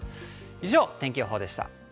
以上、天気予報でした。